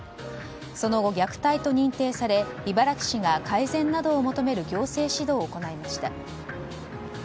その後、虐待と認定され茨木市が改善などを求める行政指導を行いました。